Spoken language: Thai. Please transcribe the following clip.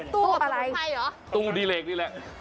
ตู้มันมุนไพรเหรอตู้ดิเลกนี่แหละ